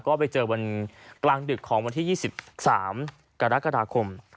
ก็ไปเจอวันกลางดึกของวันที่๒๓กรกฎาคม